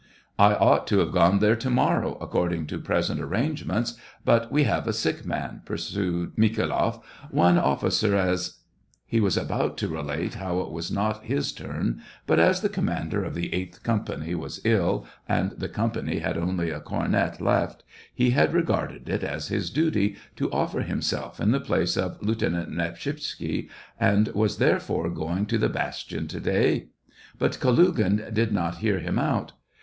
" I ought to have gone there to morrow, according to present ar rangements ; but we have a sick man," pursued MikhaYloff, " one officer, as ..." He was about to relate how it was not his turn, but, as the commander of the eighth company was ill, and the company had only a cornet left, he had ^O SEVASTOPOL IN MAY. regarded it as his duty to offer himself in the place of Lieutenant Nepshisetzky, and was, there fore, going to the bastion to day. But Kalugin did not hear him out.